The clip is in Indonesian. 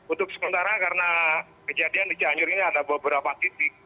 untuk sementara karena kejadian di cianjur ini ada beberapa titik